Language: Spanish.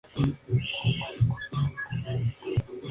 En este disco intervenía Manolo Sanlúcar.